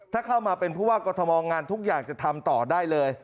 ถ้าเข้ามาเป็นผู้ว่ากรทมงานทุกอย่างจะทำต่อได้เลย